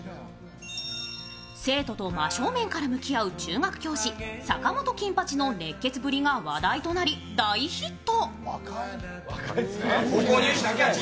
生徒と真正面から向き合う中学教師、坂本金八の熱血ぶりが話題となり、大ヒット。